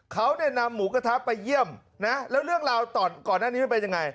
เขาเนี่ยนำหมูกระทะไปเยี่ยมนะแล้วเรื่องราวก่อนหน้านี้มันเป็นยังไง